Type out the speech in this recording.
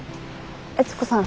悦子さん。